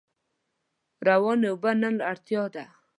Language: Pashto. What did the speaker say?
روانې اوبه نن اړتیا ده.